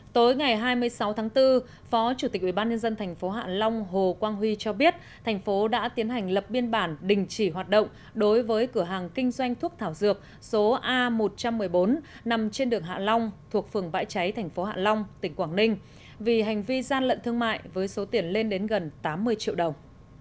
tối ngày hai mươi sáu tháng bốn phó chủ tịch ubnd tp hạ long hồ quang huy cho biết thành phố đã tiến hành lập biên bản đình chỉ hoạt động đối với cửa hàng kinh doanh thuốc thảo dược số a một trăm một mươi bốn nằm trên đường hạ long thuộc phường vãi cháy tp hạ long tỉnh quảng ninh vì hành vi gian lận thương mại với số tiền lên đến gần tám mươi triệu đồng